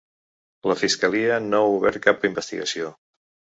La fiscalia no ha obert cap investigació.